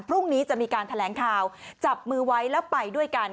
พรุ่งนี้จะมีการแถลงข่าวจับมือไว้แล้วไปด้วยกัน